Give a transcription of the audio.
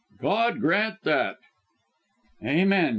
"God grant that." "Amen!